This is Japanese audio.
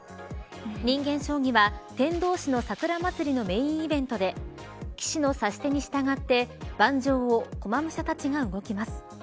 人間将棋は天童市の桜まつりのメーンイベントで棋士の指し手に従って盤上を駒武者たちが動きます。